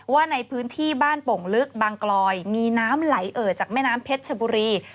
ว่าในพื้นที่บ้านโป่งลึกบางกลอยมีน้ำไหลเอ่อจากแม่น้ำเพชรชบุรี